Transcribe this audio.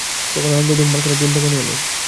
তখন আনন্দে ধূমপান করে বৃন্দাবনে এলুম।